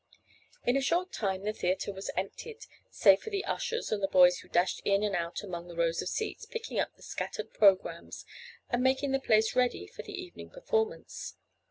In a short time the theatre was emptied, save for the ushers and the boys who dashed in and out among the rows of seats, picking up the scattered programmes, and making the place ready for the evening performance.